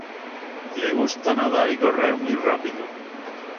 Les gusta nadar y correr muy rápido.